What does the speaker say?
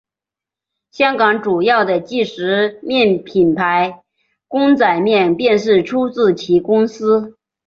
香港主要的即食面品牌公仔面便是出自其公司。